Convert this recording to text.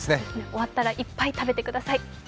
終わったら、いっぱい食べてください。